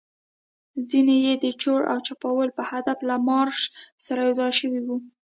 ځینې يې د چور او چپاول په هدف له مارش سره یوځای شوي وو.